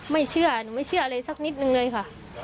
ไม่เชื่อหนูไม่เชื่ออะไรสักนิดนึงเลยค่ะ